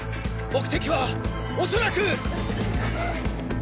目的はおそらく！